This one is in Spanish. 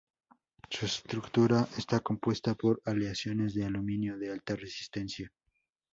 Su estructura está compuesta por aleaciones de aluminio de alta resistencia.